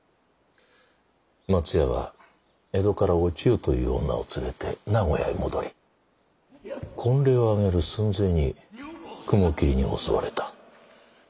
松屋は江戸からお千代という女を連れて名古屋へ戻り婚礼を挙げる寸前に雲霧に襲われた。